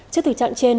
trước thực trạng trên